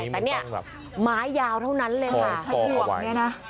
แต่นี่ไม้ยาวเท่านั้นเลย